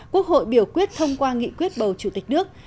quốc hội biểu quyết thông qua nghị quyết bầu chủ tịch nước